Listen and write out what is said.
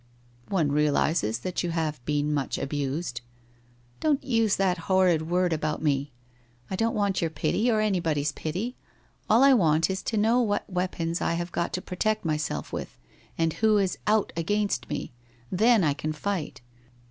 * One realizes that you have been much abused/ ' Don't use that horrid word about me ! I don't want your pity or anybody's pity. All I want to know is what weapons I have got to protect myself with, and who is " out " against me. Then I can fight.